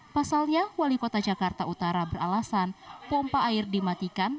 pasalnya wali kota jakarta utara beralasan pompa air dimatikan